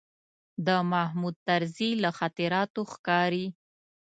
د محمود طرزي له خاطراتو ښکاري.